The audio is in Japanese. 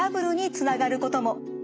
つながることも。